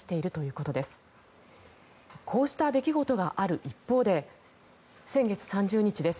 こうした出来事がある一方で先月３０日です。